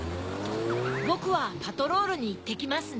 ぼくはパトロールにいってきますね。